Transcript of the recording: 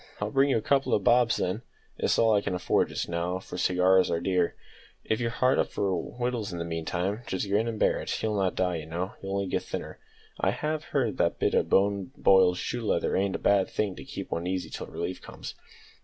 I'll bring you a couple o' bobs then. It's all I can afford just now, for cigars are dear. If you're hard up for wittles in the meantime, just grin and bear it; you'll not die, you know, you'll only get thinner. I have heard that a bit o' boiled shoe leather ain't a bad thing to keep one easy till relief comes."